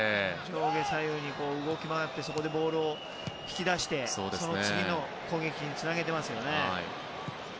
上下左右に動き回ってそこでボールを引き出してその次の攻撃につなげていますね。